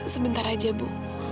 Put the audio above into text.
sebentar aja bu